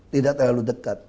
tidak terlalu dekat